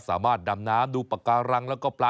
สวัสดีครับ